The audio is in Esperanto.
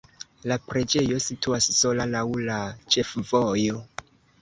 La preĝejo situas sola laŭ la ĉefvojo.